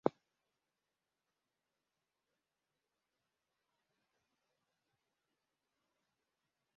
Umugabo munini ufite ishati yumukara hamwe nu icyuya